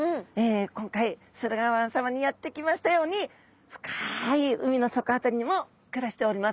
今回駿河湾さまにやって来ましたように深い海の底辺りにも暮らしております。